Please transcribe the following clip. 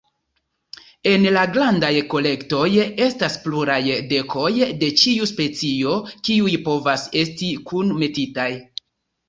En la grandaj kolektoj, estas pluraj dekoj de ĉiu specio kiuj povas esti kunmetitaj.